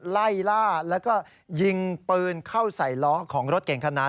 ไล่ล่าแล้วก็ยิงปืนเข้าใส่ล้อของรถเก่งคันนั้น